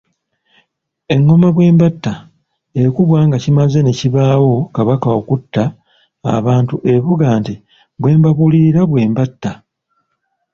Engoma “Bwembatta” ekubwa nga kimaze ne kibaawo kabaka okutta abantu evuga nti “Bwembabuulirira bwe mbatta.”